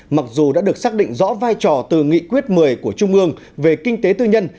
mặc dù đã được xác định rõ vai trò từ nghị quyết một mươi của trung ương về kinh tế tư nhân